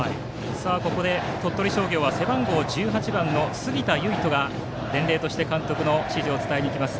ここで鳥取商業は背番号１８番の杉田結翔が伝令として監督の指示を伝えに行きます。